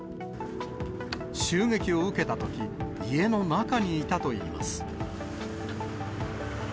襲撃を受けたとき、家の中にいたといいます。